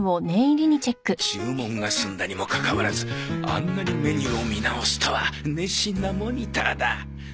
注文が済んだにもかかわらずあんなにメニューを見直すとは熱心なモニターだ。